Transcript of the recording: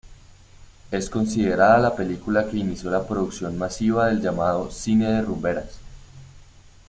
Es considerada la película que inició la producción masiva del llamado "Cine de rumberas".